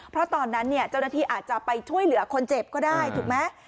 เพราะตอนนั้นเนี่ยเจ้าหน้าที่อาจจะไปช่วยเหลือคนเจ็บก็ได้ถูกไหม